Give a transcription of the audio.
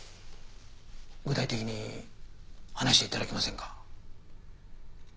具体的に話して頂けませんか？